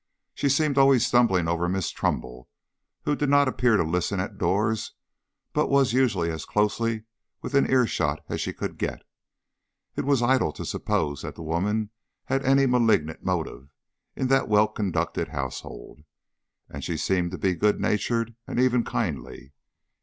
She seemed always stumbling over Miss Trumbull, who did not appear to listen at doors but was usually as closely within ear shot as she could get. It was idle to suppose that the woman had any malignant motive in that well conducted household, and she seemed to be good natured and even kindly.